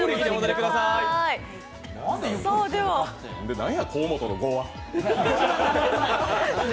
何や河本の５は。